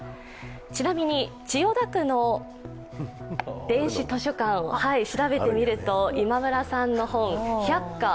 ちなみに、千代田区の電子図書館を調べてみると今村さんの本、「ひゃっか！」